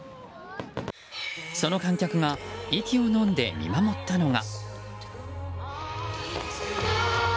その観客が息をのんで見守ったのが。